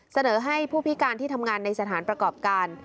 เสนอให้ผู้พิการที่ทำงานในสถานประกอบการ